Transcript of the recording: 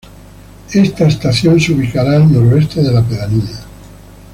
Esta estación se ubicará al noroeste de la pedanía.